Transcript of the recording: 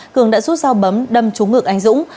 cường đã rút dao bấm đâm trúng ngược anh dũng